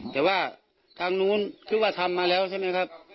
แต่ว่าทางนู้นคือว่าทำมาแล้วใช่ไหมครับ